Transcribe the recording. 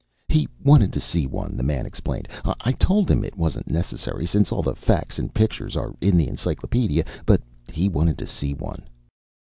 "He wanted to see one," the man explained. "I told him it wasn't necessary, since all the facts and pictures are in the encyclopedia. But he wanted to see one."